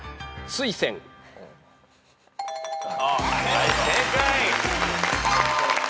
はい正解。